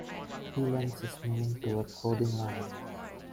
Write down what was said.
He lends his name to a clothing line.